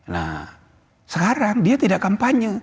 nah sekarang dia tidak kampanye